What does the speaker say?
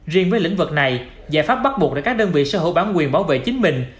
riêng với lĩnh vực này giải pháp bắt buộc là các đơn vị sở hữu bản quyền bảo vệ chính mình